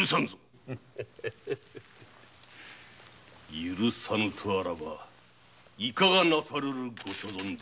許さぬとあらばいかがなさるご所存で？